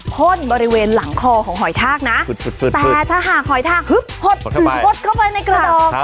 พ่นบริเวณหลังคอของหอยทากนะแต่ถ้าหากหอยทากฮึบหดเข้าไปในกระดอง